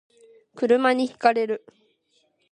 車に轢かれる